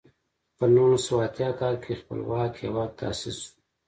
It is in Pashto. په نولس سوه اتیا کال کې خپلواک هېواد تاسیس شو.